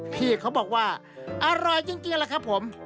พี่เขาบอกว่าอร่อยจริงแหละครับผม